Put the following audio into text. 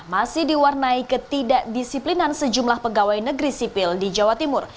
masih diwarnai ketidakdisiplinan sejumlah pegawai negeri sipil di jawa timur